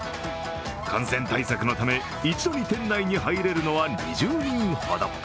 感染対策のため、一度に店内に入れるのは２０人ほど。